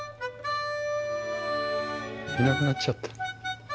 いなくなっちゃった。